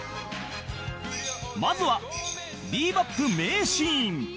まずは『ビー・バップ』名シーン